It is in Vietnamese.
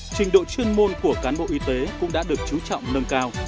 trình độ chuyên môn của cán bộ y tế cũng đã được chú trọng nâng cao